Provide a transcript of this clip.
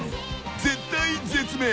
［絶体絶命！］